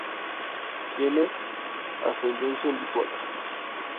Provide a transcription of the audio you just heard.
Tiene ascendencia lituana.